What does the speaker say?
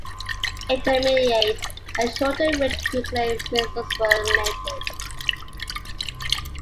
Intermediate- and shorter-range nuclear missiles were eliminated.